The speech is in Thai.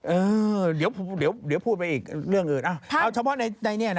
เออเดี๋ยวพูดไปอีกเรื่องอื่นเอาเฉพาะในนี้นะ